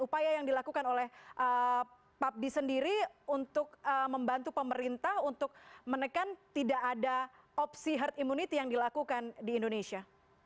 upaya yang dilakukan oleh papdi sendiri untuk membantu pemerintah untuk menekan tidak ada opsi herd immunity yang dilakukan di indonesia